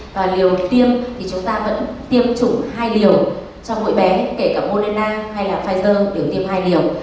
và điều tiêm thì chúng ta vẫn tiêm chủng hai liều cho mỗi bé kể cả moderna hay là pfizer được tiêm hai liều